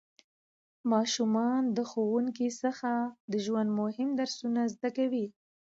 ماشومان له ښوونکي څخه د ژوند مهم درسونه زده کوي